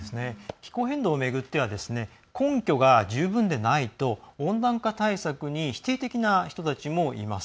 気候変動を巡っては根拠が十分でないと温暖化対策に否定的な人たちがいます。